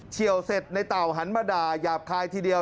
ี่ยวเสร็จในเต่าหันมาด่าหยาบคายทีเดียว